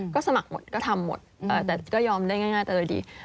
ก็สมัครหมดก็ทำหมดแต่ก็ยอมได้ง่ายแต่โดยดี